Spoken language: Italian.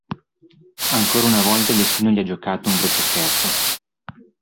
Ancora una volta il destino gli ha giocato un brutto scherzo.